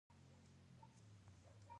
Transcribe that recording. د سیند شونډو باندې کښېښوي